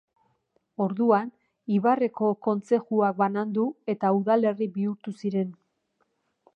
Orduan, ibarreko kontzejuak banandu eta udalerri bihurtu ziren.